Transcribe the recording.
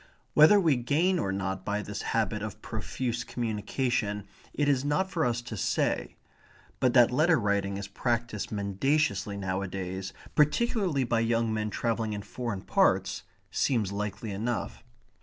Whether we gain or not by this habit of profuse communication it is not for us to say. But that letter writing is practised mendaciously nowadays, particularly by young men travelling in foreign parts, seems likely enough.